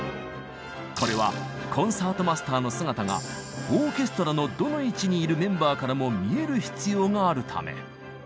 これはコンサートマスターの姿がオーケストラのどの位置にいるメンバーからも見える必要があるため。